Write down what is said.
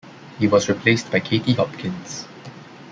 He was replaced by Katie Hopkins.